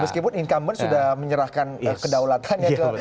meskipun inkamben sudah menyerahkan kedaulatan